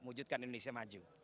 wujudkan indonesia maju